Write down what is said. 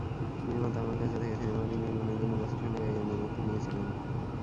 নির্মাতা আমার কাছ থেকে সিনেমাটি নির্মাণের জন্য বছর খানেক আগে অনুমতি নিয়েছিলেন।